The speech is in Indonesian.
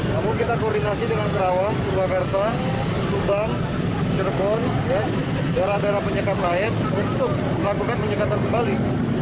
namun kita koordinasi dengan karawang purwakarta subang cirebon daerah daerah penyekat lain untuk melakukan penyekatan kembali